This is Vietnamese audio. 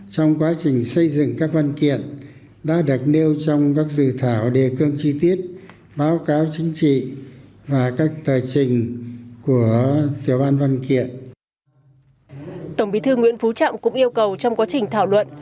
tổng bí thư nguyễn phú trọng cũng yêu cầu trong quá trình thảo luận